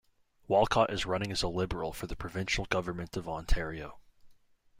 Walcott is running as a Liberal for the provincial government of Ontario.